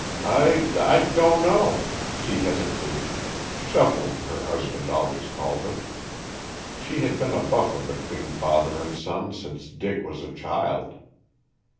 "I I don't know," she hesitated. "Shuffling" her husband always called it. She had been a buffer between father and son since Dick was a child.